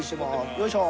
よいしょ。